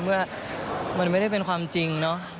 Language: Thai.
เมื่อมันไม่ได้เป็นความจริงเนาะ